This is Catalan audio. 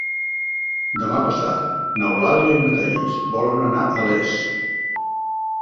Demà passat n'Eulàlia i na Thaís volen anar a Les.